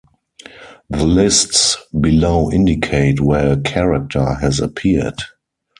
The lists below indicate where a character has appeared.